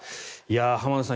浜田さん